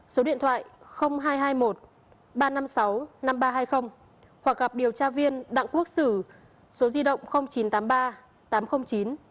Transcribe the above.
số điện thoại hai trăm hai mươi một ba trăm năm mươi sáu năm nghìn ba trăm hai mươi hoặc gặp điều tra viên đảng quốc xử số di động chín trăm tám mươi ba tám trăm linh chín một trăm một mươi tám